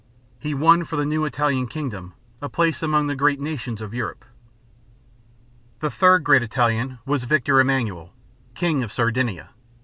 He won for the new Italian kingdom a place among the great nations of Europe. The third great Italian was Victor Emman´uel, king of Sardinia.